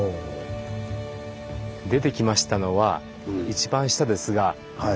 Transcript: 出てきましたのは一番下ですがはあ。